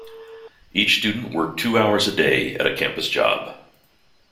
Each student worked two hours a day at a campus job.